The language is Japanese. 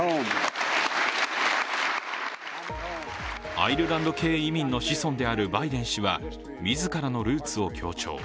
アイルランド系移民の子孫であるバイデン氏は自らのルーツを強調。